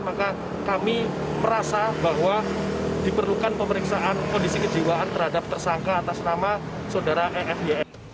maka kami merasa bahwa diperlukan pemeriksaan kondisi kejiwaan terhadap tersangka atas nama saudara efy